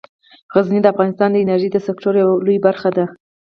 غزني د افغانستان د انرژۍ د سکتور یوه لویه برخه ده.